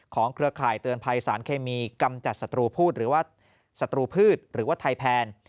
ของเครือข่ายเตือนภัยสารเคมีกำจัดศัตรูพืชหรือว่าไทแพน